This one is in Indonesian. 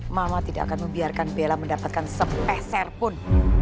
mama tidak akan membiarkan bella mendapatkan sepeserpun